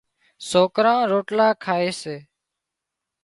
سوڪران روٽلا کائي سي۔